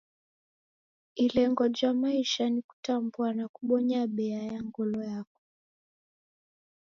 Ilengo ja maisha ni kutambua na kubonya bea ya ngolo yako.